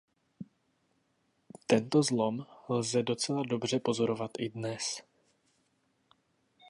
Tento zlom lze docela dobře pozorovat i dnes.